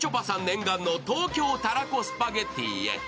念願の東京たらこスパゲティへ。